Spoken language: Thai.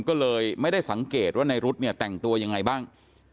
ก็เลยไม่ได้สังเกตว่าในรุ๊ดเนี่ยแต่งตัวยังไงบ้าง